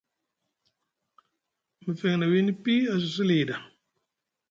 Mefeŋ na wiini pi a cosi li ɗa,